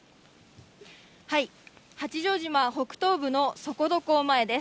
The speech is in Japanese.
八丈島北東部の底土港前です。